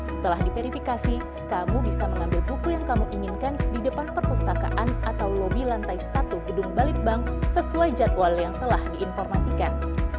setelah diverifikasi kamu bisa mengambil buku yang kamu inginkan di depan perpustakaan atau lobby lantai satu gedung balitbank sesuai jadwal yang telah diinformasikan